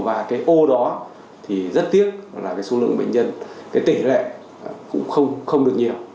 và cái ô đó thì rất tiếc là số lượng bệnh nhân cái tỉ lệ cũng không được nhiều